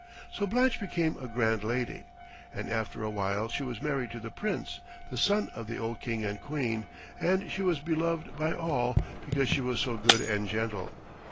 So Blanche became a grand lady, and after a while she was married to the Prince, the son of the old King and Queen, and she was beloved by all because she was so good and gentle.